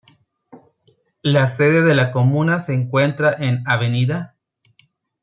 La sede de la comuna se encuentra en Av.